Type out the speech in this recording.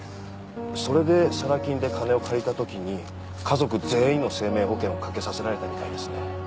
それでサラ金で金を借りたときに家族全員の生命保険を掛けさせられたみたいですね。